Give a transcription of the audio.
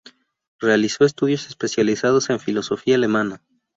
Realizó estudios especializados en filosofía alemana.